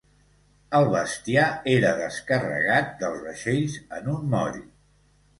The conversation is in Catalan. El bestiar era descarregat dels vaixells en un moll.